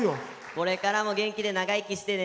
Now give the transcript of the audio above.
これからも元気で長生きしてね！